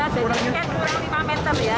dibutuhkan kurang lima meter ya